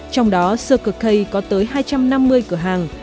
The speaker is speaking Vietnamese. trong đó circle k có tới hai trăm năm mươi cửa hàng